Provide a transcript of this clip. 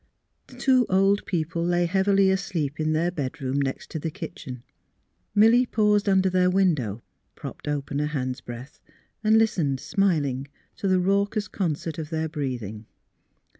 The two old people lay heavily asleep in their bedroom next the kitchen. Milly paused under their window, propped open a hand's breadth, and listened, smiling, to the raucous concert of their breathing.